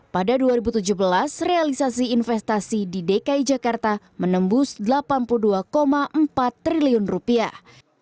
pada dua ribu tujuh belas realisasi investasi di dki jakarta menembus delapan puluh dua empat triliun rupiah